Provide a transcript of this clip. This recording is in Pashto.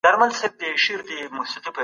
هغه زیاته کړه چي پښتون د وفاداري نمونه ده.